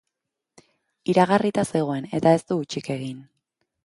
Iragarrita zegoen eta ez du hutsik egin.